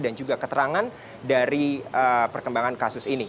dan juga keterangan dari perkembangan kasus ini